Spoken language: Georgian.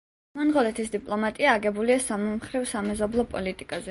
მონღოლეთის დიპლომატია აგებულია სამმხრივ სამეზობლო პოლიტიკაზე.